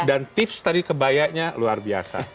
dan tips tadi kebayanya luar biasa